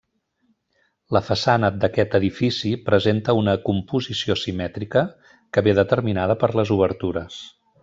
La façana d'aquest edifici presenta una composició simètrica que ve determinada per les obertures.